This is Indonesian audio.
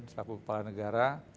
selaku kepala negara